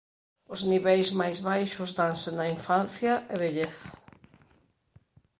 Os niveis máis baixos danse na infancia e vellez.